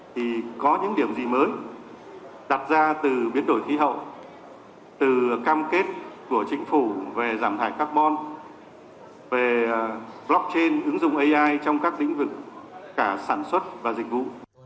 thì có những điểm gì mới đặt ra từ biến đổi khí hậu từ cam kết của chính phủ về giảm thải carbon về blockchain ứng dụng ai trong các lĩnh vực cả sản xuất và dịch vụ